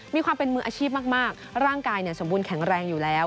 มีความเป็นมืออาชีพมากร่างกายสมบูรณแข็งแรงอยู่แล้ว